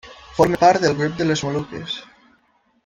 Forma part del grup de les Moluques.